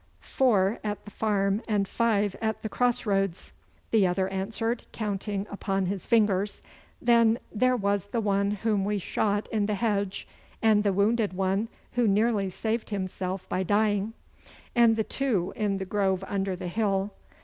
'Four at the farm and five at the cross roads,' the other answered, counting upon his fingers. 'Then there was the one whom we shot in the hedge, and the wounded one who nearly saved himself by dying, and the two in the grove under the hill.